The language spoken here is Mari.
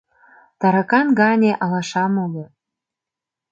Таракан гане алашам уло